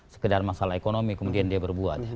sekedar masalah ekonomi kemudian dia berbuat